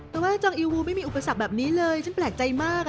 แต่ว่าจองอิลวูไม่มีอุปสรรคแบบนี้เลยฉันแปลกใจมาก